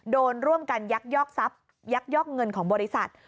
โดนร่วมกันยักยอกทรัพย์ยักยอกเงินของบริษัท